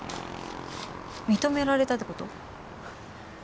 認められたって事？